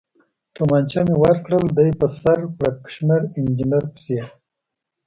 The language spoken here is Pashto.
تومانچه مې ورکړل، دی په سر پړکمشر انجنیر پسې.